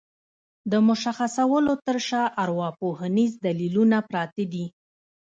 د مشخصولو تر شا ارواپوهنيز دليلونه پراته دي.